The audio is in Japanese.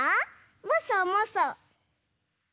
もそもそ。